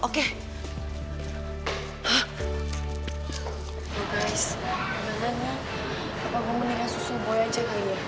guys sebenarnya apa gue mendingan susu boy aja kali ya